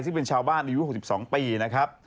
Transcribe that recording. ซึ่งเป็นชาวบ้านอายุ๖๒ปีนะครับ